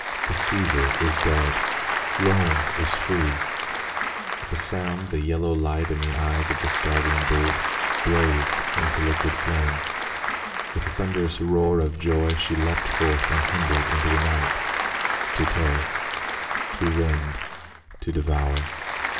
" The Caesar is dead ! Rome is free !" At the sound the yellow light in the eyes of the starving brute blazed into liquid flame ; with a thunderous roar of joy she leapt forth unhindered into the night, to tear, to rend, to devour.